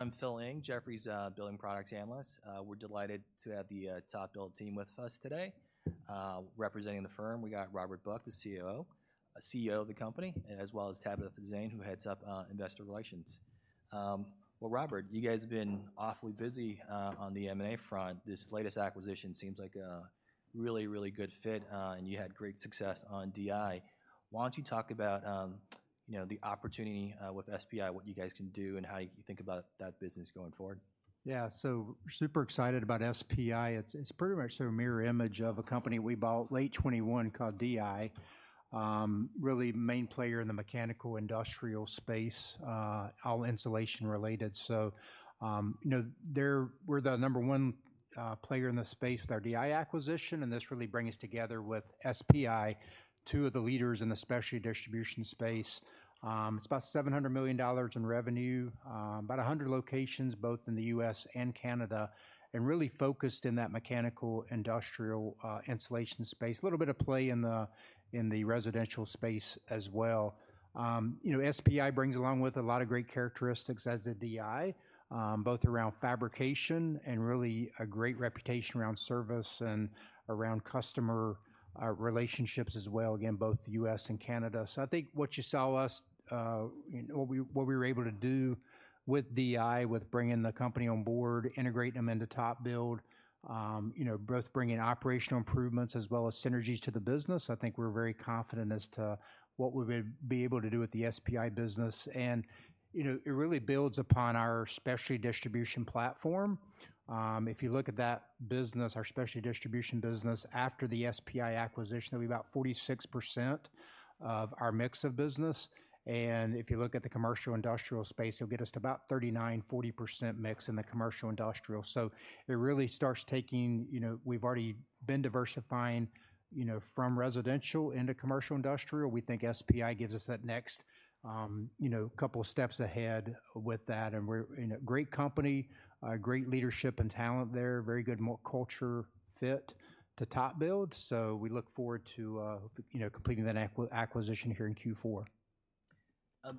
I'm Phil Ng, Jefferies, building products analyst. We're delighted to have the TopBuild team with us today. Representing the firm, we got Robert Buck, the COO, CEO of the company, as well as Tabitha Zane, who Heads of Investor relations. Well, Robert, you guys have been awfully busy on the M&A front. This latest acquisition seems like a really, really good fit, and you had great success on DI. Why don't you talk about, you know, the opportunity with SPI, what you guys can do, and how you think about that business going forward? Yeah. So super excited about SPI. It's pretty much a mirror image of a company we bought late 2021 called DI. Really main player in the mechanical industrial space, all insulation related. So, you know, we're the number one player in the space with our DI acquisition, and this really brings together with SPI, two of the leaders in the specialty distribution space. It's about $700 million in revenue, about 100 locations, both in the U.S. and Canada, and really focused in that mechanical, industrial, insulation space. A little bit of play in the residential space as well. You know, SPI brings along with a lot of great characteristics as a DI, both around fabrication and really a great reputation around service and around customer relationships as well, again, both the U.S. and Canada. So I think what you saw us, you know, what we were able to do with DI, with bringing the company on board, integrating them into TopBuild, you know, both bringing operational improvements as well as synergies to the business. I think we're very confident as to what we'd be able to do with the SPI business. And, you know, it really builds upon our specialty distribution platform. If you look at that business, our specialty distribution business, after the SPI acquisition, it'll be about 46% of our mix of business. If you look at the commercial industrial space, it'll get us to about 39%-40% mix in the commercial industrial. So it really starts taking shape. You know, we've already been diversifying, you know, from residential into commercial industrial. We think SPI gives us that next, you know, couple of steps ahead with that, and we're, you know, great company, great leadership and talent there, very good culture fit to TopBuild. So we look forward to, you know, completing that acquisition here in Q4.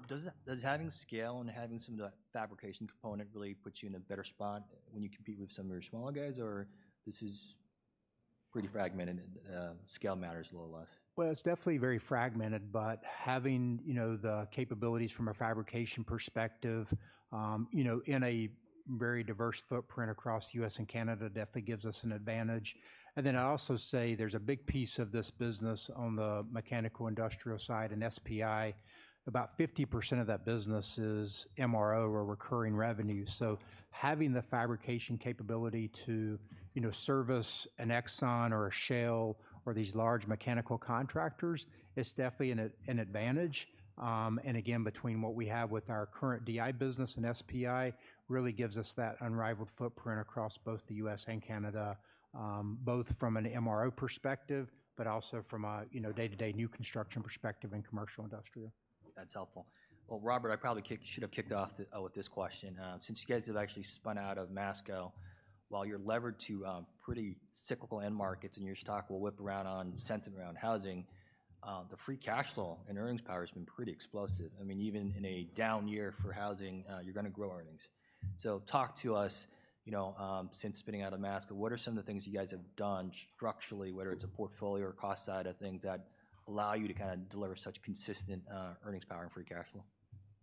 Does having scale and having some of the fabrication component really puts you in a better spot when you compete with some very smaller guys, or this is pretty fragmented, and scale matters a little less? Well, it's definitely very fragmented, but having, you know, the capabilities from a fabrication perspective, you know, in a very diverse footprint across the U.S. and Canada, definitely gives us an advantage. And then I also say there's a big piece of this business on the mechanical industrial side, and SPI, about 50% of that business is MRO or recurring revenue. So having the fabrication capability to, you know, service an Exxon or a Shell or these large mechanical contractors is definitely an advantage. And again, between what we have with our current DI business and SPI, really gives us that unrivaled footprint across both the U.S. and Canada, both from an MRO perspective, but also from a, you know, day-to-day new construction perspective in commercial industrial. That's helpful. Well, Robert, I probably should have kicked off the with this question. Since you guys have actually spun out of Masco, while you're levered to pretty cyclical end markets and your stock will whip around on sentiment around housing, the free cash flow and earnings power has been pretty explosive. I mean, even in a down year for housing, you're gonna grow earnings. So talk to us, you know, since spinning out of Masco, what are some of the things you guys have done structurally, whether it's a portfolio or cost side of things, that allow you to kinda deliver such consistent earnings power and free cash flow?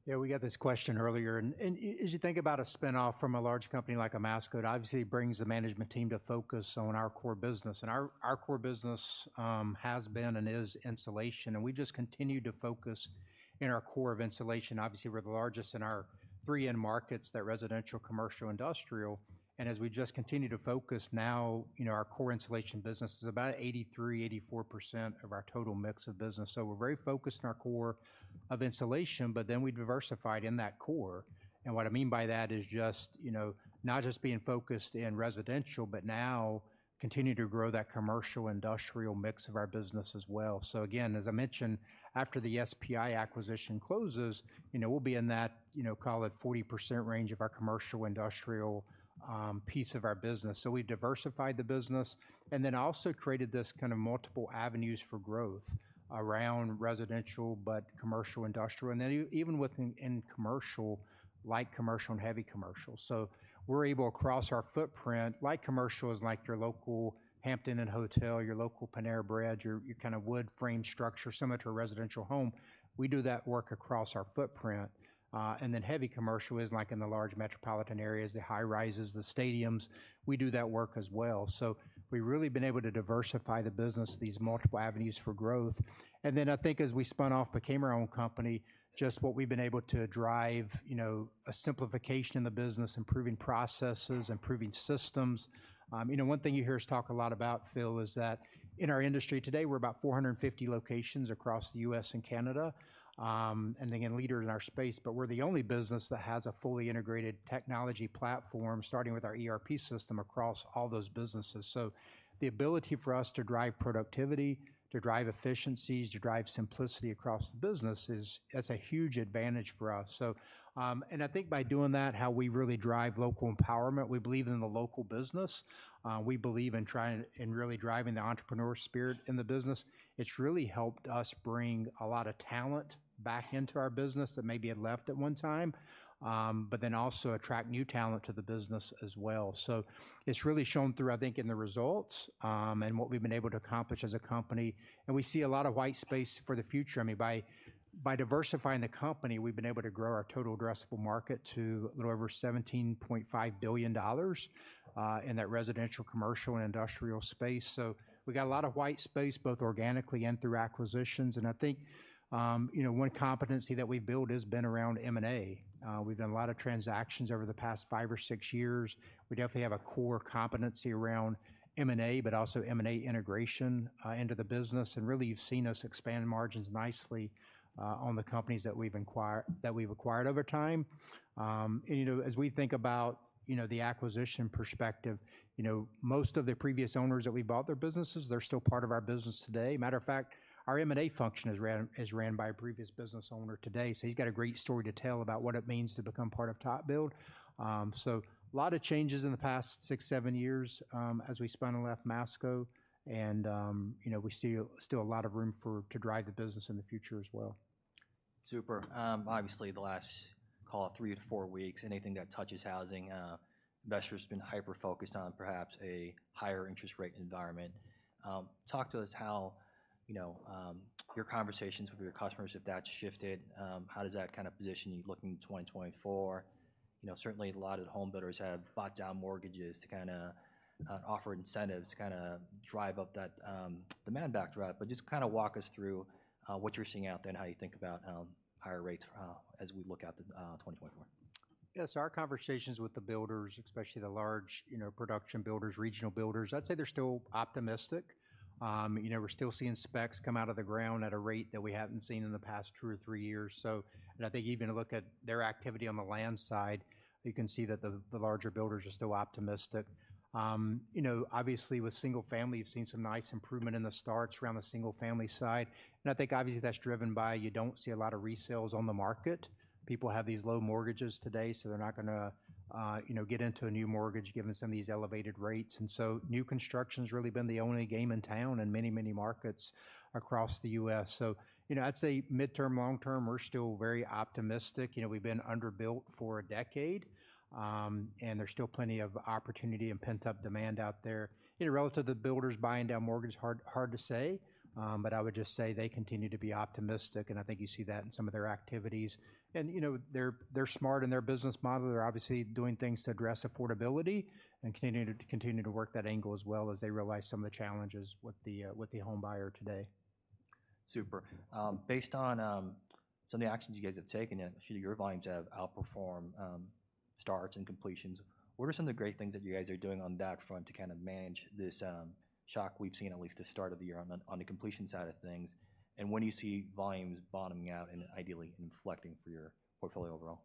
Yeah, we got this question earlier, and as you think about a spin-off from a large company like a Masco, it obviously brings the management team to focus on our core business, and our core business has been and is insulation, and we just continue to focus in our core of insulation. Obviously, we're the largest in our three end markets, the residential, commercial, industrial, and as we just continue to focus now, you know, our core insulation business is about 83%-84% of our total mix of business. So we're very focused on our core of insulation, but then we diversified in that core. And what I mean by that is just, you know, not just being focused in residential, but now continue to grow that commercial, industrial mix of our business as well. So again, as I mentioned, after the SPI acquisition closes, you know, we'll be in that, you know, call it 40% range of our commercial industrial piece of our business. So we diversified the business and then also created this kind of multiple avenues for growth around residential, but commercial industrial, and then even within commercial, light commercial and heavy commercial. So we're able across our footprint. Light commercial is like your local Hampton Inn, your local Panera Bread, your kinda wood-frame structure, similar to a residential home. We do that work across our footprint. And then heavy commercial is like in the large metropolitan areas, the high rises, the stadiums. We do that work as well. So we've really been able to diversify the business, these multiple avenues for growth. And then I think as we spun off, became our own company, just what we've been able to drive, you know, a simplification in the business, improving processes, improving systems. You know, one thing you hear us talk a lot about, Phil, is that in our industry today, we're about 450 locations across the U.S. and Canada, and again, leader in our space, but we're the only business that has a fully integrated technology platform, starting with our ERP system across all those businesses. So the ability for us to drive productivity, to drive efficiencies, to drive simplicity across the business is, is a huge advantage for us. So, and I think by doing that, how we really drive local empowerment, we believe in the local business. We believe in trying, in really driving the entrepreneur spirit in the business. It's really helped us bring a lot of talent back into our business that maybe had left at one time, but then also attract new talent to the business as well. So it's really shown through, I think, in the results, and what we've been able to accomplish as a company, and we see a lot of white space for the future. I mean, by diversifying the company, we've been able to grow our total addressable market to a little over $17.5 billion in that residential, commercial, and industrial space. So we got a lot of white space, both organically and through acquisitions, and I think, you know, one competency that we've built has been around M&A. We've done a lot of transactions over the past five or six years. We definitely have a core competency around M&A, but also M&A integration into the business, and really, you've seen us expand margins nicely on the companies that we've acquired over time. And, you know, as we think about the acquisition perspective, you know, most of the previous owners that we bought their businesses, they're still part of our business today. Matter of fact, our M&A function is ran by a previous business owner today. So he's got a great story to tell about what it means to become part of TopBuild. So a lot of changes in the past 6-7 years as we spun off Masco and, you know, we see still a lot of room for to drive the business in the future as well. Super. Obviously, the last, call it three to four weeks, anything that touches housing, investors been hyper-focused on perhaps a higher interest rate environment. Talk to us how, you know, your conversations with your customers, if that's shifted. How does that kind of position you looking at 2024? You know, certainly, a lot of home builders have bought down mortgages to kinda, offer incentives to kinda drive up that, demand factor up. But just kinda walk us through, what you're seeing out there and how you think about, higher rates, as we look out to, 2024. Yes, our conversations with the builders, especially the large, you know, production builders, regional builders, I'd say they're still optimistic. You know, we're still seeing specs come out of the ground at a rate that we haven't seen in the past 2 or 3 years. So and I think even to look at their activity on the land side, you can see that the, the larger builders are still optimistic. You know, obviously, with single family, you've seen some nice improvement in the starts around the single family side, and I think obviously that's driven by you don't see a lot of resales on the market. People have these low mortgages today, so they're not gonna, you know, get into a new mortgage, given some of these elevated rates. And so new construction's really been the only game in town in many, many markets across the U.S. So, you know, I'd say midterm, long term, we're still very optimistic. You know, we've been underbuilt for a decade, and there's still plenty of opportunity and pent-up demand out there. You know, relative to builders buying down mortgages, hard, hard to say, but I would just say they continue to be optimistic, and I think you see that in some of their activities. And, you know, they're, they're smart in their business model. They're obviously doing things to address affordability and continue to, continue to work that angle as well as they realize some of the challenges with the, with the homebuyer today. Super. Based on some of the actions you guys have taken, and actually your volumes have outperformed starts and completions, what are some of the great things that you guys are doing on that front to kind of manage this shock we've seen at least the start of the year on the completion side of things, and when do you see volumes bottoming out and ideally inflecting for your portfolio overall?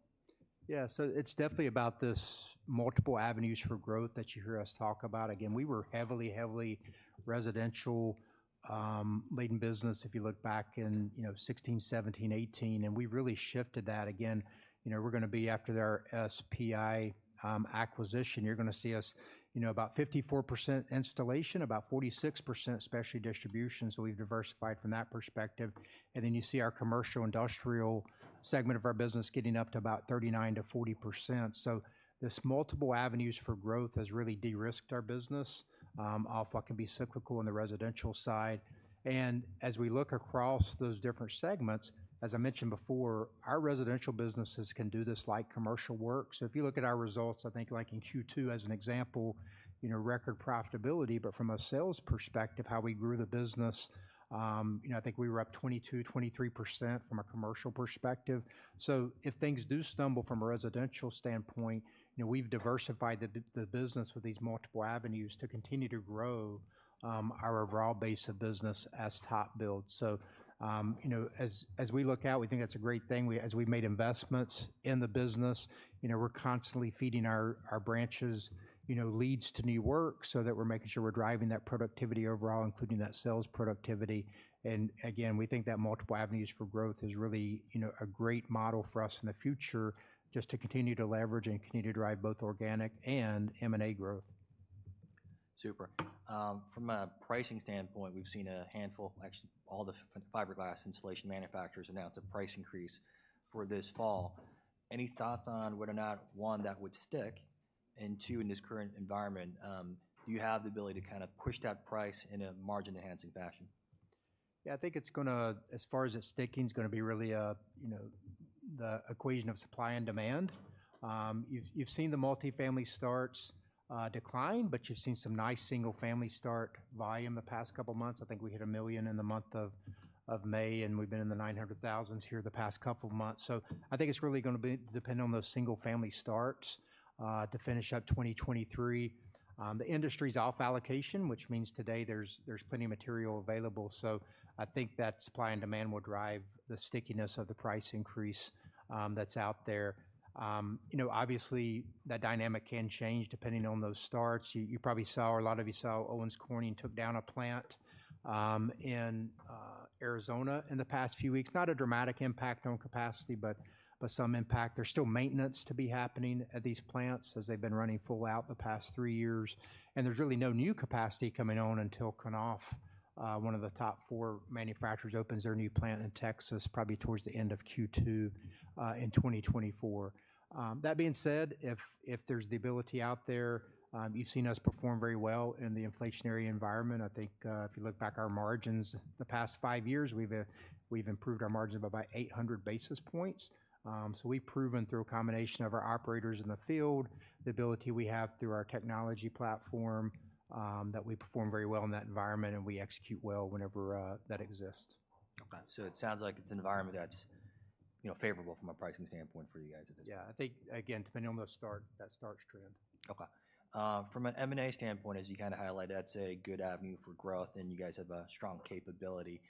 Yeah, so it's definitely about this multiple avenues for growth that you hear us talk about. Again, we were heavily, heavily residential laden business, if you look back in, you know, 16, 17, 18, and we've really shifted that. Again, you know, we're gonna be after their SPI acquisition, you're gonna see us, you know, about 54% installation, about 46% specialty distribution, so we've diversified from that perspective. And then you see our Commercial Industrial segment of our business getting up to about 39%-40%. So this multiple avenues for growth has really de-risked our business off what can be cyclical in the residential side. And as we look across those different segments, as I mentioned before, our residential businesses can do this light commercial work. So if you look at our results, I think like in Q2, as an example, you know, record profitability, but from a sales perspective, how we grew the business, you know, I think we were up 22-23% from a commercial perspective. So if things do stumble from a residential standpoint, you know, we've diversified the business with these multiple avenues to continue to grow our overall base of business as TopBuild. So, you know, as we look out, we think that's a great thing. As we've made investments in the business, you know, we're constantly feeding our branches, you know, leads to new work so that we're making sure we're driving that productivity overall, including that sales productivity. Again, we think that multiple avenues for growth is really, you know, a great model for us in the future, just to continue to leverage and continue to drive both organic and M&A growth. Super. From a pricing standpoint, we've seen a handful, actually, all the fiberglass insulation manufacturers announce a price increase for this fall. Any thoughts on whether or not, one, that would stick, and two, in this current environment, do you have the ability to kinda push that price in a margin-enhancing fashion? Yeah, I think it's gonna, as far as it sticking, it's gonna be really, you know, the equation of supply and demand. You've seen the multifamily starts decline, but you've seen some nice single-family start volume the past couple of months. I think we hit 1 million in the month of May, and we've been in the 900,000s here the past couple of months. So I think it's really gonna be dependent on those single-family starts to finish out 2023. The industry's off allocation, which means today there's plenty of material available. So I think that supply and demand will drive the stickiness of the price increase that's out there. You know, obviously, that dynamic can change depending on those starts. You probably saw or a lot of you saw Owens Corning took down a plant in Arizona in the past few weeks. Not a dramatic impact on capacity, but some impact. There's still maintenance to be happening at these plants as they've been running full out the past three years, and there's really no new capacity coming on until one of the top four manufacturers opens their new plant in Texas, probably towards the end of Q2 in 2024. That being said, if there's the ability out there, you've seen us perform very well in the inflationary environment. I think, if you look back our margins the past five years, we've improved our margins by about 800 basis points. So we've proven through a combination of our operators in the field, the ability we have through our technology platform, that we perform very well in that environment, and we execute well whenever that exists. Okay, so it sounds like it's an environment that's, you know, favorable from a pricing standpoint for you guys at this point. Yeah, I think, again, depending on the start, that starts trend. Okay. From an M&A standpoint, as you kinda highlighted, that's a good avenue for growth, and you guys have a strong capability.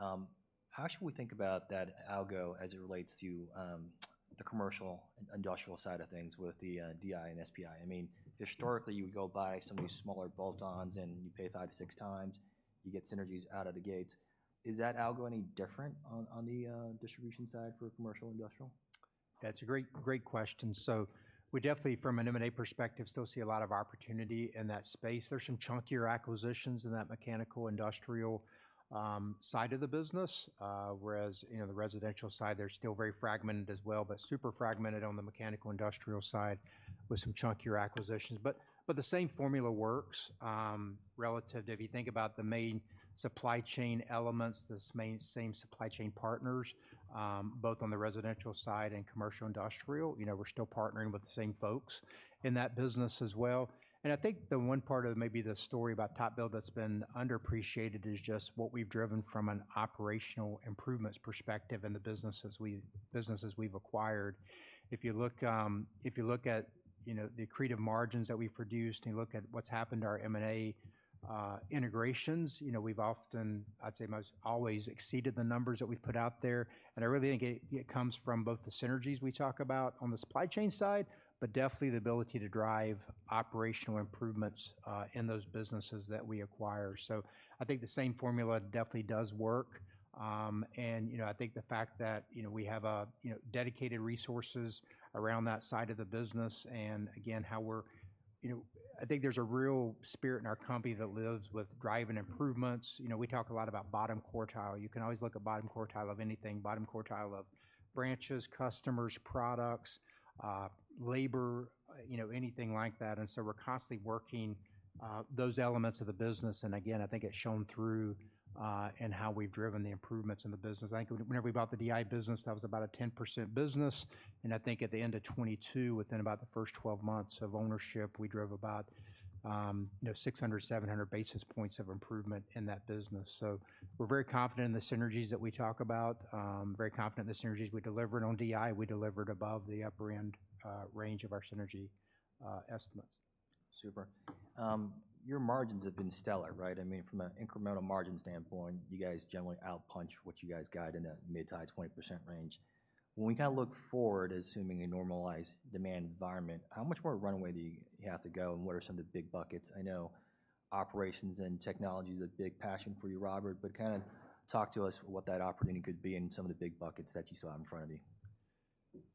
How should we think about that algo as it relates to the commercial and industrial side of things with the DI and SPI? I mean, historically, you would go buy some of these smaller bolt-ons, and you pay 5x-6x, you get synergies out of the gates. Is that algo any different on the distribution side for commercial industrial? That's a great, great question. So we definitely, from an M&A perspective, still see a lot of opportunity in that space. There's some chunkier acquisitions in that mechanical, industrial, side of the business. Whereas, you know, the residential side, they're still very fragmented as well, but super fragmented on the mechanical industrial side with some chunkier acquisitions. But the same formula works, relative to if you think about the main supply chain elements, same supply chain partners, both on the residential side and commercial industrial. You know, we're still partnering with the same folks in that business as well. And I think the one part of maybe the story about TopBuild that's been underappreciated is just what we've driven from an operational improvements perspective in the businesses we've acquired. If you look at, you know, the accretive margins that we've produced and you look at what's happened to our M&A integrations, you know, we've often, I'd say most always exceeded the numbers that we've put out there. And I really think it, it comes from both the synergies we talk about on the supply chain side, but definitely the ability to drive operational improvements in those businesses that we acquire. So I think the same formula definitely does work. And, you know, I think the fact that, you know, we have a, you know, dedicated resources around that side of the business, and again, how we're... You know, I think there's a real spirit in our company that lives with driving improvements. You know, we talk a lot about bottom quartile. You can always look at bottom quartile of anything, bottom quartile of branches, customers, products, labor, you know, anything like that. And so we're constantly working those elements of the business, and again, I think it's shown through in how we've driven the improvements in the business. I think whenever we bought the DI business, that was about a 10% business, and I think at the end of 2022, within about the first twelve months of ownership, we drove about, you know, 600-700 basis points of improvement in that business. So we're very confident in the synergies that we talk about. Very confident the synergies we delivered on DI, we delivered above the upper end range of our synergy estimates. Super. Your margins have been stellar, right? I mean, from an incremental margin standpoint, you guys generally outpunch what you guys guide in that mid- to high-20% range. When we kind of look forward, assuming a normalized demand environment, how much more runway do you have to go, and what are some of the big buckets? I know operations and technology is a big passion for you, Robert, but kind of talk to us what that opportunity could be and some of the big buckets that you saw in front of you.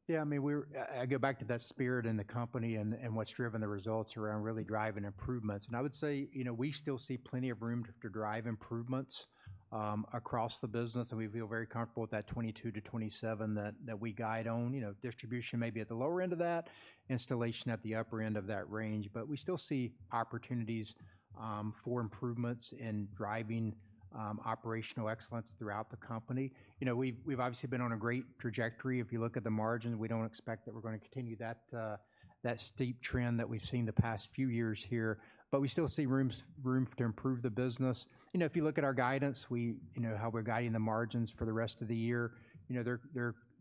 Yeah, I mean, we're I go back to that spirit in the company and what's driven the results around really driving improvements. And I would say, you know, we still see plenty of room to drive improvements across the business, and we feel very comfortable with that 22-27 that we guide on. You know, distribution may be at the lower end of that, installation at the upper end of that range. But we still see opportunities for improvements in driving operational excellence throughout the company. You know, we've obviously been on a great trajectory. If you look at the margins, we don't expect that we're gonna continue that steep trend that we've seen the past few years here, but we still see room to improve the business. You know, if you look at our guidance, we—you know, how we're guiding the margins for the rest of the year, you know,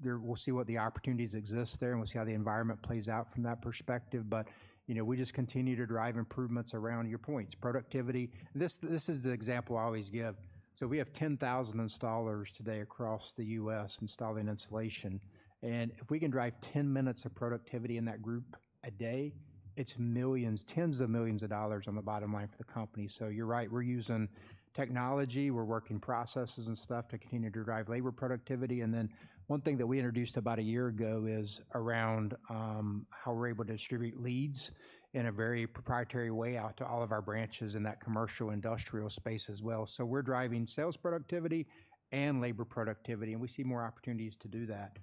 they're—we'll see what the opportunities exist there, and we'll see how the environment plays out from that perspective. But, you know, we just continue to drive improvements around your points. Productivity. This is the example I always give: So we have 10,000 installers today across the U.S. installing insulation, and if we can drive 10 minutes of productivity in that group a day, it's $millions, tens of millions on the bottom line for the company. So you're right, we're using technology, we're working processes and stuff to continue to drive labor productivity. And then one thing that we introduced about a year ago is around how we're able to distribute leads in a very proprietary way out to all of our branches in that commercial industrial space as well. So we're driving sales productivity and labor productivity, and we see more opportunities to do that.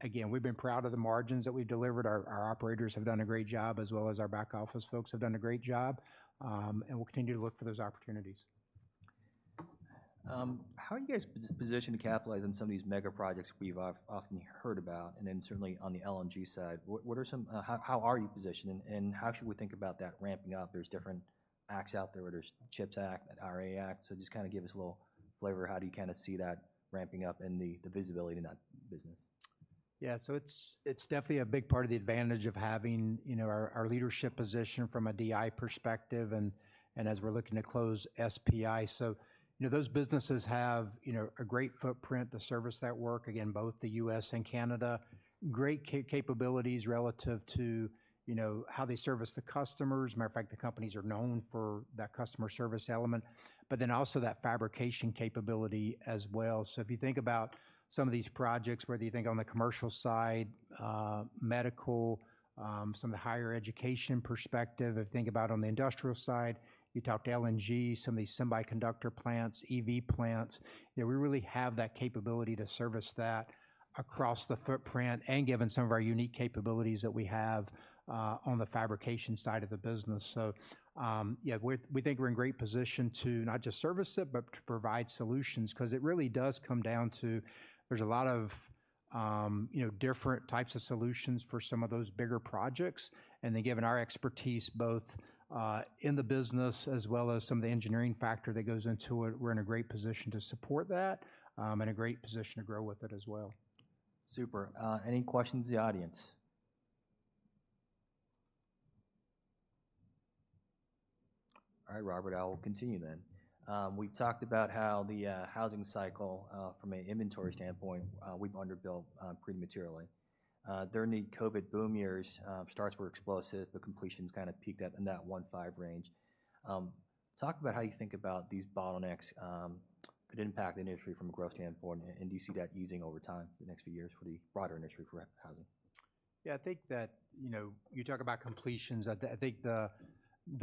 Again, we've been proud of the margins that we delivered. Our operators have done a great job, as well as our back office folks have done a great job, and we'll continue to look for those opportunities. How are you guys positioned to capitalize on some of these mega projects I've often heard about, and then certainly on the LNG side? How are you positioned, and how should we think about that ramping up? There's different acts out there. There's CHIPS Act, IRA Act. So just kind of give us a little flavor, how do you kinda see that ramping up and the visibility to that business? Yeah, so it's definitely a big part of the advantage of having, you know, our leadership position from a DI perspective and as we're looking to close SPI. So, you know, those businesses have, you know, a great footprint, the service network, again, both the US and Canada. Great capabilities relative to, you know, how they service the customers. Matter of fact, the companies are known for that customer service element, but then also that fabrication capability as well. So if you think about some of these projects, whether you think on the commercial side, medical, some of the higher education perspective, if you think about on the industrial side, you talk to LNG, some of these semiconductor plants, EV plants, you know, we really have that capability to service that across the footprint and given some of our unique capabilities that we have, on the fabrication side of the business. So, yeah, we're, we think we're in great position to not just service it, but to provide solutions, 'cause it really does come down to you know, different types of solutions for some of those bigger projects. Given our expertise, both in the business as well as some of the engineering factor that goes into it, we're in a great position to support that, and a great position to grow with it as well. Super. Any questions from the audience? All right, Robert, I will continue then. We talked about how the housing cycle, from an inventory standpoint, we've underbuilt pretty materially. During the COVID boom years, starts were explosive, but completions kind of peaked at in that 1.5 range. Talk about how you think about these bottlenecks, could impact the industry from a growth standpoint, and do you see that easing over time the next few years for the broader industry for housing? Yeah, I think that, you know, you talk about completions. I think the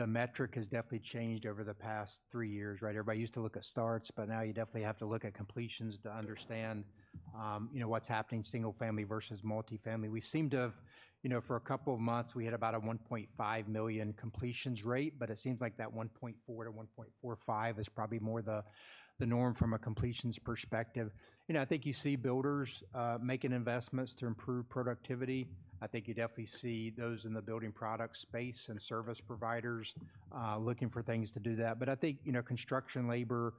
metric has definitely changed over the past three years, right? Everybody used to look at starts, but now you definitely have to look at completions to understand, you know, what's happening, single family versus multifamily. We seem to have, you know, for a couple of months, we had about a 1.5 million completions rate, but it seems like that 1.4 to 1.45 is probably more the norm from a completions perspective. You know, I think you see builders making investments to improve productivity. I think you definitely see those in the building product space and service providers looking for things to do that. But I think, you know, construction labor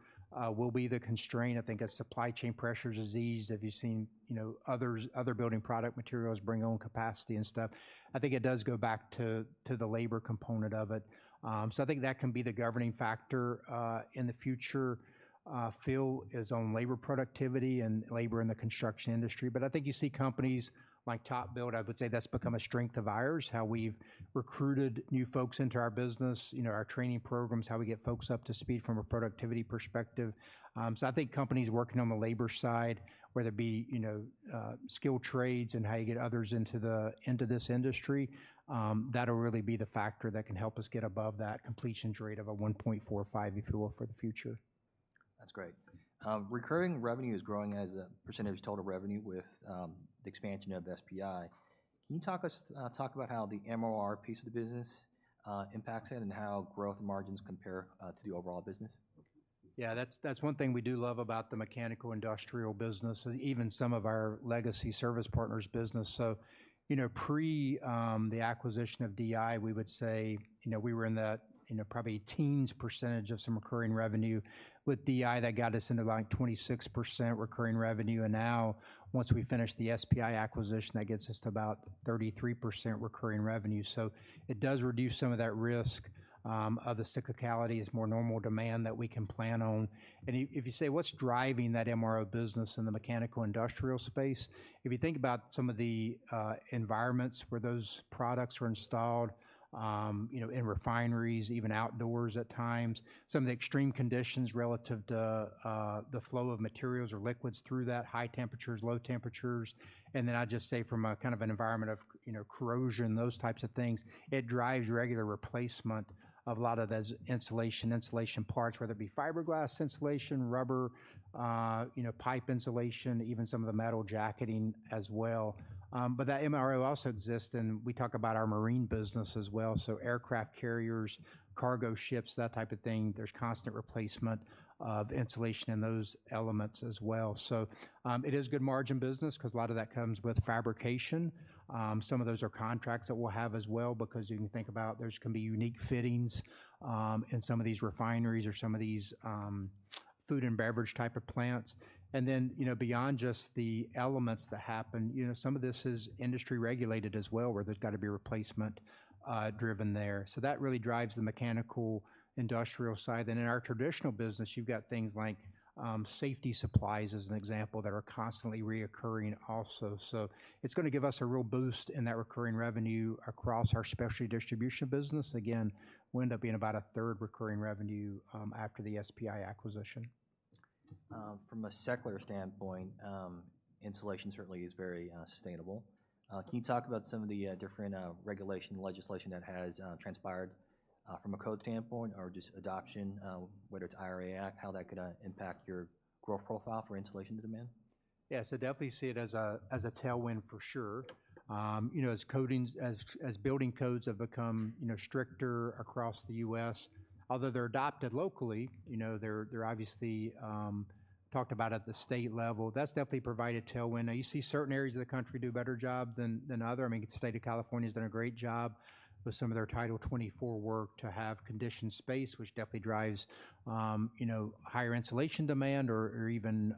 will be the constraint. I think as supply chain pressures has eased, have you seen, you know, others, other building product materials bring on capacity and stuff? I think it does go back to, to the labor component of it. So I think that can be the governing factor in the future. Focus is on labor productivity and labor in the construction industry. But I think you see companies like TopBuild. I would say that's become a strength of ours, how we've recruited new folks into our business, you know, our training programs, how we get folks up to speed from a productivity perspective. So I think companies working on the labor side, whether it be, you know, skilled trades and how you get others into this industry, that'll really be the factor that can help us get above that completions rate of a 1.45, if you will, for the future. That's great. Recurring revenue is growing as a percentage of total revenue with the expansion of SPI. Can you talk about how the MRO piece of the business impacts it and how growth margins compare to the overall business? Yeah, that's one thing we do love about the mechanical industrial business, even some of our legacy service partners business. So, you know, pre- the acquisition of DI, we would say, you know, we were in that, you know, probably teens % of some recurring revenue. With DI, that got us into, like, 26% recurring revenue, and now once we finish the SPI acquisition, that gets us to about 33% recurring revenue. So it does reduce some of that risk of the cyclicality as more normal demand that we can plan on. And if you, if you say: What's driving that MRO business in the mechanical industrial space? If you think about some of the environments where those products were installed, you know, in refineries, even outdoors at times, some of the extreme conditions relative to the flow of materials or liquids through that, high temperatures, low temperatures. And then I'd just say from a kind of an environment of, you know, corrosion, those types of things, it drives regular replacement of a lot of those insulation, insulation parts, whether it be fiberglass insulation, rubber, you know, pipe insulation, even some of the metal jacketing as well. But that MRO also exists, and we talk about our marine business as well. So aircraft carriers, cargo ships, that type of thing, there's constant replacement of insulation and those elements as well. So, it is good margin business 'cause a lot of that comes with fabrication. Some of those are contracts that we'll have as well, because you can think about there can be unique fittings in some of these refineries or some of these food and beverage type of plants. And then, you know, beyond just the elements that happen, you know, some of this is industry-regulated as well, where there's got to be replacement driven there. So that really drives the mechanical, industrial side. Then in our traditional business, you've got things like safety supplies as an example, that are constantly recurring also. So it's gonna give us a real boost in that recurring revenue across our specialty distribution business. Again, we end up being about a third recurring revenue after the SPI acquisition. From a secular standpoint, insulation certainly is very sustainable. Can you talk about some of the different regulation, legislation that has transpired from a code standpoint or just adoption, whether it's IRA Act, how that could impact your growth profile for insulation to demand? Yeah, so definitely see it as a tailwind for sure. You know, as building codes have become, you know, stricter across the U.S., although they're adopted locally, you know, they're obviously talked about at the state level. That's definitely provided a tailwind. Now, you see certain areas of the country do a better job than other. I mean, the state of California has done a great job with some of their Title 24 work to have conditioned space, which definitely drives, you know, higher insulation demand or even,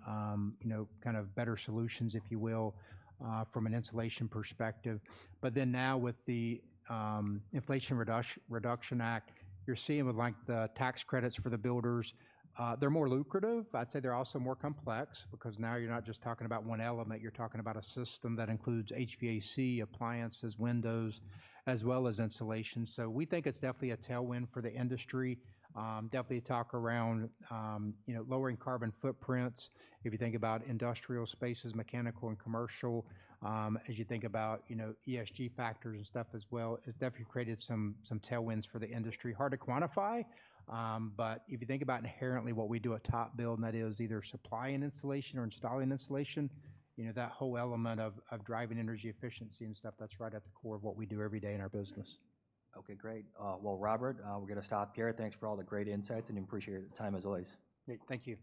you know, kind of better solutions, if you will, from an insulation perspective. But then now with the Inflation Reduction Act, you're seeing with like the tax credits for the builders, they're more lucrative. I'd say they're also more complex because now you're not just talking about one element, you're talking about a system that includes HVAC, appliances, windows, as well as insulation. So we think it's definitely a tailwind for the industry. Definitely talk around, you know, lowering carbon footprints. If you think about industrial spaces, mechanical and commercial, as you think about, you know, ESG factors and stuff as well, it's definitely created some tailwinds for the industry. Hard to quantify, but if you think about inherently what we do at TopBuild, and that is either supplying insulation or installing insulation, you know, that whole element of driving energy efficiency and stuff, that's right at the core of what we do every day in our business. Okay, great. Well, Robert, we're gonna stop here. Thanks for all the great insights, and appreciate your time as always. Great. Thank you.